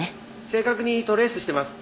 正確にトレースしてます。